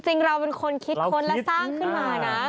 จริงเราเป็นคนคิดค้นและสร้างขึ้นมานะ